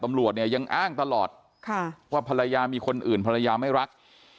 ตำรวจเนี่ยยังอ้างตลอดว่าภรรยามีคนอื่นภรรยาไม่รัก